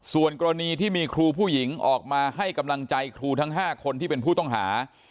ส่วนกรณีที่มีครูผู้หญิงออกมาให้กำลังใจครูทั้ง๕คนที่เป็นผู้ต้องหา